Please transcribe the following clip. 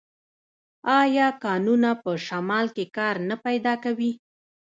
آیا کانونه په شمال کې کار نه پیدا کوي؟